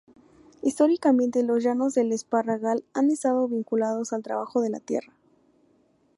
Históricamente los Llanos del Esparragal han estado vinculados al trabajo de la tierra.